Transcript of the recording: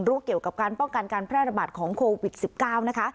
เกี่ยวกับการป้องกันการแพร่ระบาดของโควิด๑๙นะคะ